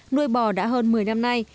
nuôi bò đã hơn một mươi năm nay